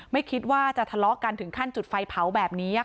ไม่คิดว่าจะทะเลาะกันถึงขั้นจุดไฟเผาแบบนี้